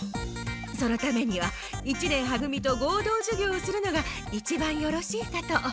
そのためには一年は組と合同授業するのがいちばんよろしいかと。